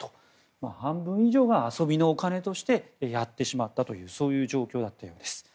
半分以上が遊びのお金としてやってしまったというそういう状況だったようです。